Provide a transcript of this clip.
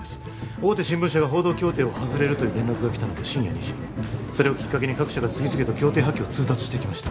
大手新聞社が報道協定を外れるという連絡がきたのは深夜２時それをきっかけに各社が次々と協定破棄を通達してきました